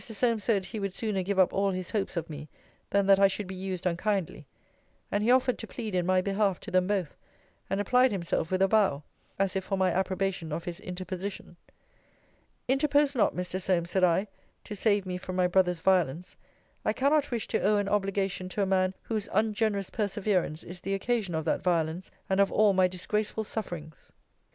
Solmes said, he would sooner give up all his hopes of me, than that I should be used unkindly. And he offered to plead in my behalf to them both; and applied himself with a bow, as if for my approbation of his interposition. Interpose not, Mr. Solmes, said I, to save me from my brother's violence. I cannot wish to owe an obligation to a man whose ungenerous perseverance is the occasion of that violence, and of all my disgraceful sufferings.